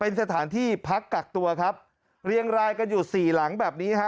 เป็นสถานที่พักกักตัวครับเรียงรายกันอยู่สี่หลังแบบนี้ฮะ